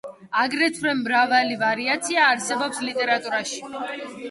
აგრეთვე მრავალი ვარიაცია არსებობს ლიტერატურაში.